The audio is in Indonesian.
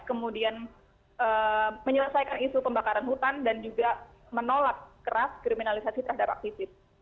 kemudian menyelesaikan isu pembakaran hutan dan juga menolak keras kriminalisasi terhadap aktivis